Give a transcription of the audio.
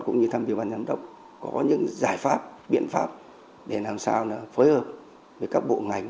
cũng như tham dự bàn giám đốc có những giải pháp biện pháp để làm sao phối hợp với các bộ ngành